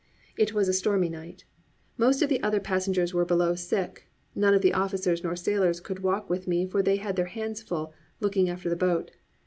It was a stormy night. Most of the other passengers were below sick, none of the officers nor sailors could walk with me for they had their hands full looking after the boat.